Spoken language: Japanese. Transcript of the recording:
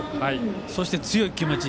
そして、強い気持ち。